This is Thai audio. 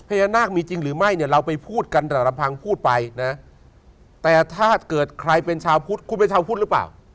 พญานาคมีจริงหรือไม่เนี่ยเราไปพูดกันแต่ละพังพูดไปนะแต่ถ้าเกิดใครเป็นชาวพุทธคุณเป็นชาวพุทธหรือเปล่า